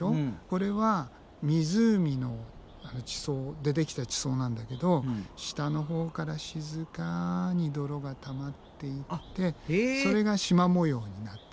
これは湖でできた地層なんだけど下のほうから静かに泥がたまっていってそれが縞模様になってるのね。